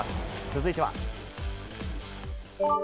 続いては。